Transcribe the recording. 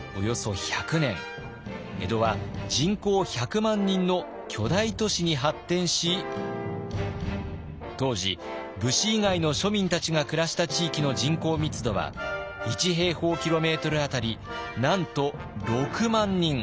江戸は人口１００万人の巨大都市に発展し当時武士以外の庶民たちが暮らした地域の人口密度は１平方キロメートル当たりなんと６万人。